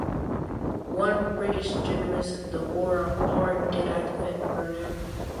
One British journalist, Deborah Orr did defend Bernard.